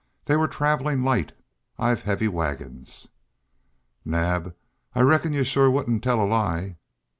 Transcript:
They were travelling light; I've heavy wagons." "Naab, I reckon you shore wouldn't tell a lie?"